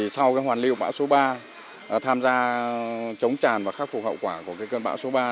sau hoàn lưu bão số ba tham gia chống tràn và khắc phục hậu quả của cơn bão số ba